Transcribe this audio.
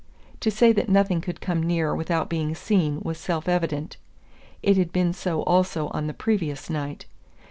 To say that nothing could come near without being seen was self evident. It had been so also on the previous night.